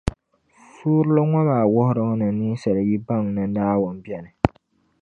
Suurili ŋɔ maa wuhirimi ni ninsala yi baŋ ni Naawuni beni.